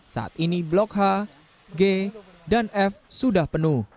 saat ini blok h g dan f sudah penuh